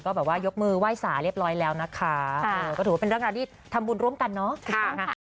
ก็แบบว่ายกมือไหว้สาเรียบร้อยแล้วนะคะก็ถือว่าเป็นเรื่องราวที่ทำบุญร่วมกันเนาะถูกต้องค่ะ